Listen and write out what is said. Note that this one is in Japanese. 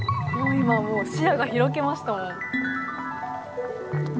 今視野が開けましたもん。